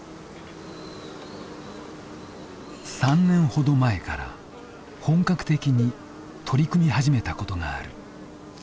３年前ほどから本格的に取り組み始めたことがある。